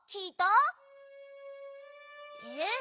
えっ？